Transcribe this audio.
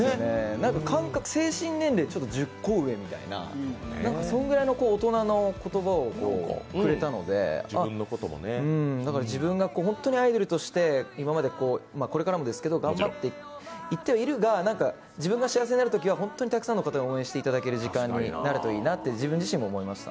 精神年齢１０個上みたいなそのくらいの大人の言葉をくれたので自分が本当にアイドルとして今まで、これからもですけど頑張っていってはいるがなんか自分が幸せになるときは本当にたくさんの人が応援してくれる時間になるといいなって自分自身も思いました。